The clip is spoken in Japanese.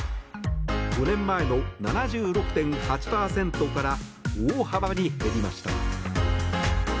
５年前の７６．８％から大幅に減りました。